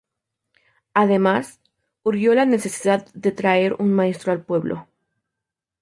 Además, urgió la necesidad de traer un maestro al pueblo.